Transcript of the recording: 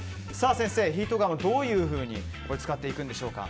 先生ヒートガンをどういうふうに使っていくのでしょうか。